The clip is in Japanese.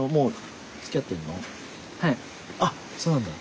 あっそうなんだ。